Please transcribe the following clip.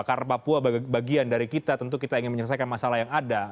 karena papua bagian dari kita tentu kita ingin menyelesaikan masalah yang ada